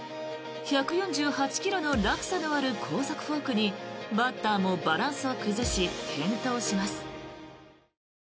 １４８ｋｍの落差のある高速フォークにバッターもバランスを崩し転倒します。